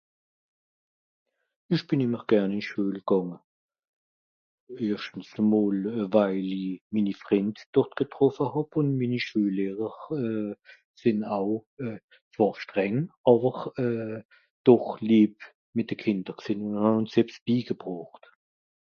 esch ben ìmmer gern i d Schüel gànge erschtens e mol euh weil i minni Frind dort getroffe hàb un minni Schüellehrer euhh sin au euh zwàr streng àwer euh doch Lieb mìt de Kìnder gsen un han uns ebs bigebroocht